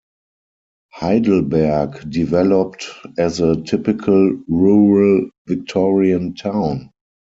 Heidelberg developed as a typical rural Victorian town.